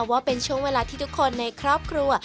ว่าเป็นช่วงเวลาที่ทุกคนในครอบครัว